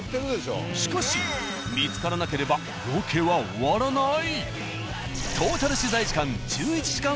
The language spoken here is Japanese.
しかし見つからなければロケは終わらない。